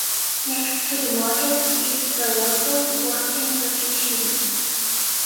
Next to the market is the local voting location.